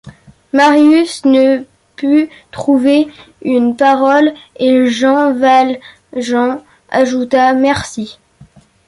Marius ne put trouver une parole, et Jean Valjean ajouta :— Merci.